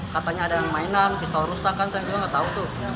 katanya ada yang mainan pistol rusak kan saya bilang nggak tahu tuh